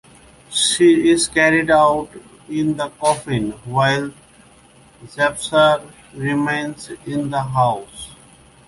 She is carried out in the coffin while Japser remains in the house.